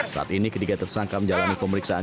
saat ini ketiga tersangka menjalani pemeriksaan